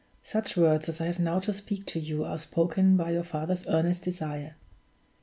Such words as I have now to speak to you are spoken by your father's earnest desire.